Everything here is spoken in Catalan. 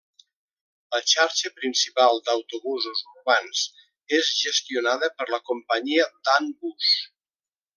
La xarxa principal d'autobusos urbans és gestionada per la companyia Dan Bus.